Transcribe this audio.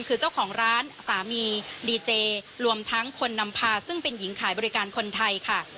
คือเจ้าของร้านสามีดีเจรวมทั้งคนนำพาซึ่งเป็นหญิงขายบริการคนไทยค่ะ